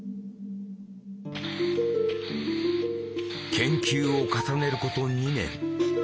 研究を重ねること２年。